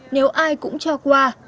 nếu ai cũng cho qua